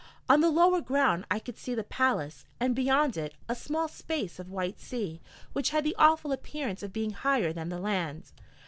On the lower ground I could see the palace, and beyond it, a small space of white sea which had the awful appearance of being higher than the land.